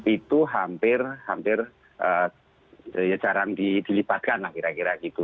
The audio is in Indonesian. itu hampir hampir jarang dilibatkan lah kira kira gitu